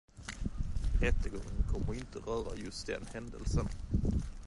Rättegången kommer inte att röra just den händelsen.